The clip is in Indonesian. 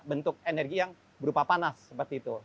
bentuk energi yang berupa panas seperti itu